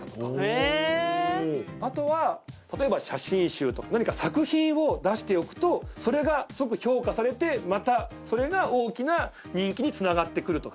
あとは例えば写真集とか何か作品を出しておくとそれがすごく評価されてまたそれが大きな人気につながってくるとか。